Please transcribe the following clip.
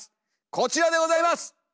こちらでございます！